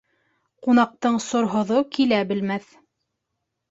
Ҡунаҡтың сорһоҙо килә белмәҫ.